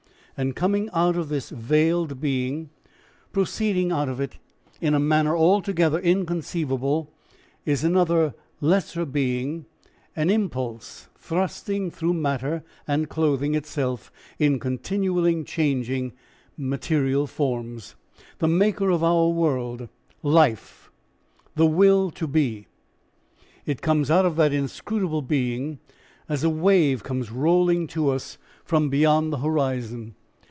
And coming out of this veiled being, proceeding out of it in a manner altogether inconceivable, is another lesser being, an impulse thrusting through matter and clothing itself in continually changing material forms, the maker of our world, Life, the Will to Be. It comes out of that inscrutable being as a wave comes rolling to us from beyond the horizon.